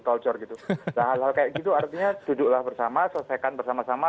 nah hal hal kayak gitu artinya duduklah bersama selesaikan bersama sama